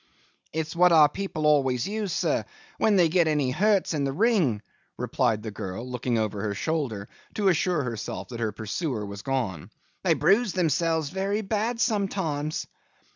'It's what our people aways use, sir, when they get any hurts in the ring,' replied the girl, looking over her shoulder, to assure herself that her pursuer was gone. 'They bruise themselves very bad sometimes.